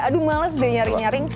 aduh males deh nyari nyaring